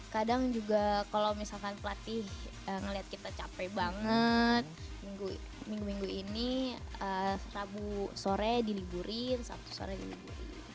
kadang juga kalau misalkan pelatih ngeliat kita capek banget minggu minggu ini rabu sore diliburin sabtu sore dilibur